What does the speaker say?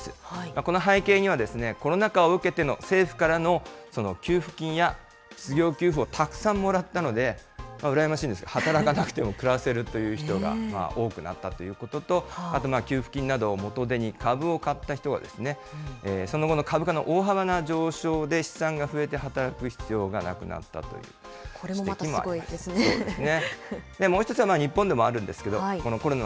この背景には、コロナ禍を受けての政府からの給付金や失業給付をたくさんもらったので、羨ましいですけれども、働かなくても暮らせるという人が多くなったということと、あと給付金などを元手に株を買った人が、その後の株価の大幅な上昇で資産が増えて、働く必要がなくなったこれもまたすごいですね。